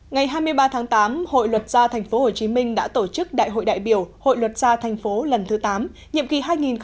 ngày hai mươi ba tháng tám hội luật gia tp hcm đã tổ chức đại hội đại biểu hội luật gia tp hcm lần thứ tám nhiệm kỳ hai nghìn một mươi chín hai nghìn hai mươi bốn